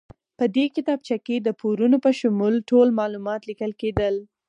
په دې کتابچه کې د پورونو په شمول ټول معلومات لیکل کېدل.